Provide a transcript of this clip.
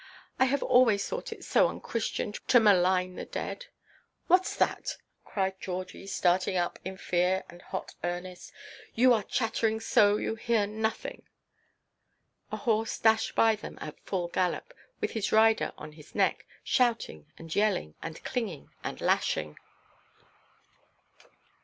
I have always thought it so unchristian to malign the dead!" "Whatʼs that?" cried Georgie, starting up, in fear and hot earnest; "you are chattering so, you hear nothing." A horse dashed by them at full gallop, with his rider on his neck, shouting and yelling, and clinging and lashing.